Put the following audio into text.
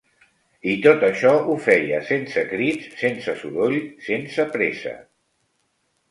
I tot això ho feia sense crits, sense soroll, sense pressa